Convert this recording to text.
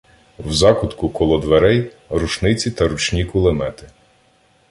В закутку коло дверей — рушниці та ручні кулемети.